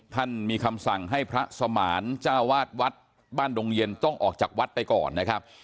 ท่านมีคำสั่งให้พระสมานเจ้าวาดวัดบ้านดงเย็นต้องออกจากวัดไปก่อนนะครับ